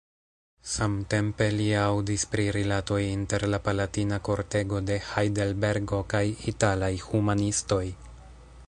Samtempe li aŭdis pri rilatoj inter la palatina kortego de Hajdelbergo kaj italaj humanistoj.